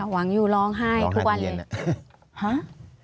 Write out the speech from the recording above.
หวังอยู่ร้องไห้ทุกวันเลยฮะ